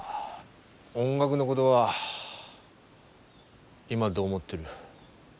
音楽のごどは今どう思ってる？